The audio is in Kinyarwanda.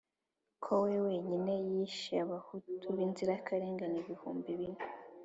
ko we wenyine yishye Abahutu b'inzirakarengane ibihumbi bine !